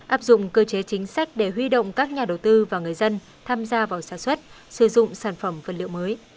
áp dụng cơ chế chính sách để huy động các nhà đầu tư và người dân tham gia vào sản xuất sử dụng sản phẩm vật liệu mới